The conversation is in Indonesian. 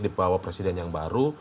dipawah presiden yang baru